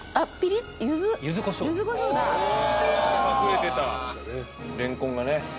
レンコンがね。